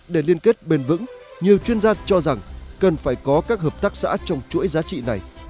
để liên kết bền vững nhiều chuyên gia cho rằng cần phải có các hợp tác xã trong chuỗi giá trị này